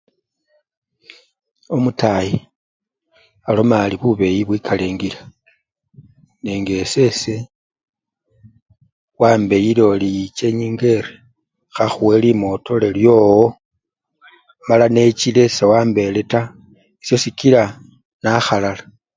Omutayi aloma ari bubeyi bwikala engila nenga eses wambeyile ori yicha enyinga erii ekhakhuwe limotole lyowo mala nechile sewambele taa, esyo sikila nakhalala.